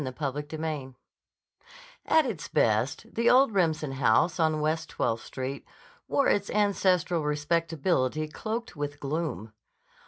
CHAPTER III AT its best, the old Remsen house on West Twelfth Street, wore its ancestral respectability cloaked with gloom.